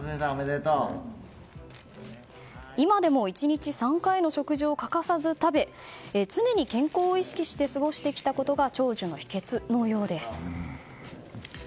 今でも１日３回の食事を欠かさず食べ常に健康を意識して過ごしてきたことが長寿の秘訣のようです。